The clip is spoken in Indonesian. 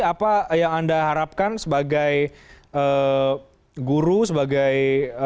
apa yang anda harapkan sebagai guru sebagai